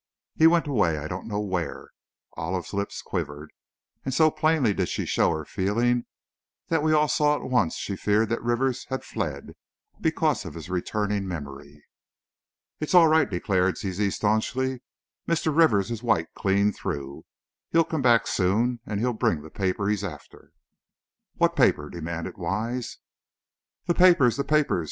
"He went away I don't know where " Olive's lips quivered, and so plainly did she show her feelings that we all saw at once she feared that Rivers had fled, because of his returning memory. "It's all right," declared Zizi, stanchly; "Mr. Rivers is white clear through! He'll come back, soon, and he'll bring the paper he's after." "What paper?" demanded Wise. "The poipers! the poipers!"